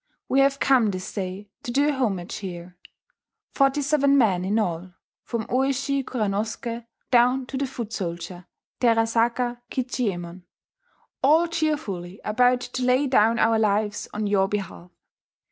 We have come this day to do homage here: forty seven men in all, from Oishi Kuranosuke down to the foot soldier Terasaka Kichiyemon, all cheerfully about to lay down our lives on your behalf.